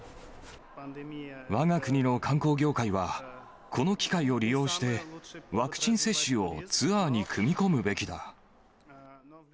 わが国の観光業界は、この機会を利用して、ワクチン接種をツアーに組み込むべきだ。